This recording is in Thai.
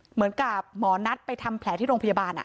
เหมือนกับหมอนัทไปทำแผลที่โรงพยาบาล